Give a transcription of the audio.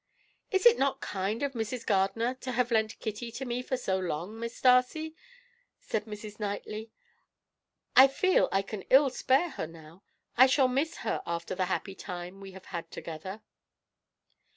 "Is it not kind of Mrs. Gardiner to have lent Kitty to me for so long, Miss Darcy?" said Mrs. Knightley. "I feel I can ill spare her now; I shall miss her after the happy time we have had together."